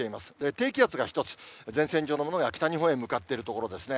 低気圧が１つ、前線上のものが北日本へ向かっているところですね。